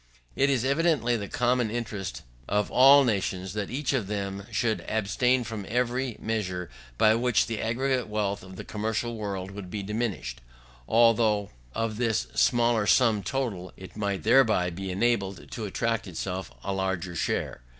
It is evidently the common interest of all nations that each of them should abstain from every measure by which the aggregate wealth of the commercial world would be diminished, although of this smaller sum total it might thereby be enabled to attract to itself a larger share.